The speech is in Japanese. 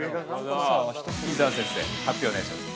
◆伊沢先生、発表をお願いします。